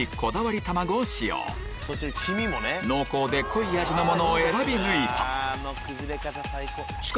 濃い味のものを選び抜いた